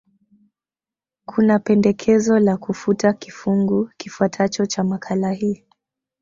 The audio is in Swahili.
Kuna pendekezo la kufuta kifungu kifuatacho cha makala hii